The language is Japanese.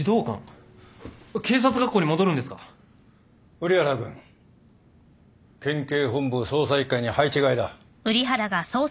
瓜原君県警本部捜査一課に配置換えだ。